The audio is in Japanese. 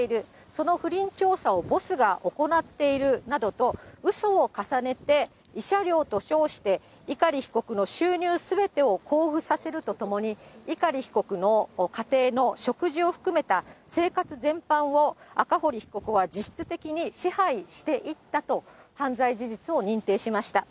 その不倫調査をボスが行っているなどと、うそを重ねて、慰謝料と称して、碇被告の収入すべてを交付させるとともに、碇被告の家庭の食事を含めた生活全般を、赤堀被告は実質的に支配していったと、犯罪事実を認定しました。